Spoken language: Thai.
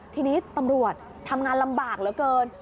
ทีนี้ตำรวจทำงานลำบากเหลือเกิน